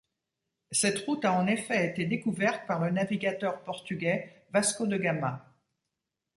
Cette route a en effet été découverte par le navigateur portugais Vasco de Gama.